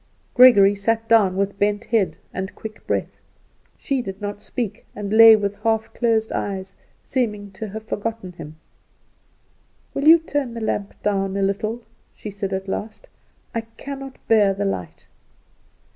Gregory sat down, with bent head and quick breath. She did not speak, and lay with half closed eyes, seeming to have forgotten him. "Will you turn the lamp down a little?" she said at last; "I cannot bear the light."